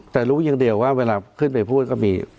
แต่รู้อย่างเดียวว่าเวลาขึ้นไปพูดก็มี